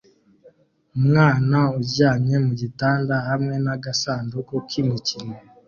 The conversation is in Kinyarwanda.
Umwana uryamye mugitanda hamwe nagasanduku k'imikino